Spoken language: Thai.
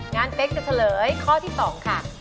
งั้นเป๊กจะเฉลยข้อที่๒ค่ะ